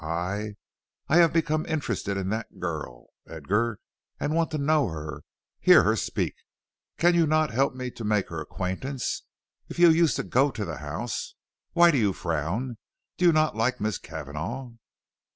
I I have become interested in that girl, Edgar, and want to know her hear her speak. Cannot you help me to make her acquaintance? If you used to go to the house Why do you frown? Do you not like Miss Cavanagh?